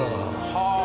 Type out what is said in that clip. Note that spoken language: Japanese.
はあ！